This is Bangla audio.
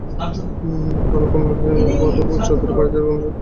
তাঁরা কুমারটুলিতে নীলমাধব চৌধুরীর বাড়িতে এতক্ষণে জলযোগ সমাধা করছেন।